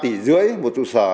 ba tỷ rưỡi một trụ sở